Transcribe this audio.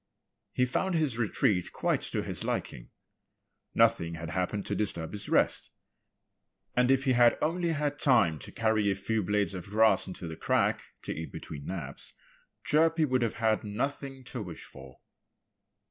He found his retreat quite to his liking. Nothing had happened to disturb his rest. And if he had only had time to carry a few blades of grass into the crack, to eat between naps, Chirpy would have had nothing to wish for.